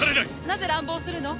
なぜ乱暴するの？